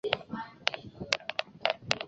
存在共八年。